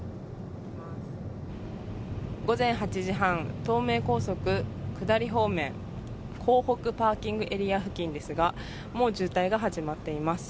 午前８時半、東名高速下り方面、港北パーキングエリア付近ですが、もう渋滞が始まっています。